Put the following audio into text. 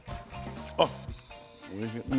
あっおいしい。